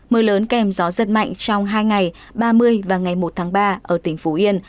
mưa lớn kèm gió giật mạnh trong hai ngày ba mươi và ngày một tháng ba ở tỉnh phú yên